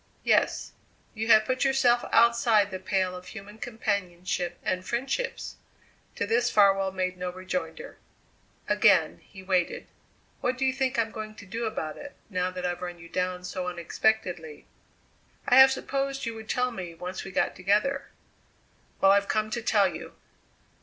"Yes. You have put yourself outside the pale of human companionship and friendships." To this Farwell made no rejoinder. Again he waited. "What do you think I'm going to do about it, now that I've run you down so unexpectedly?" "I have supposed you would tell me, once we got together." "Well, I've come to tell you!"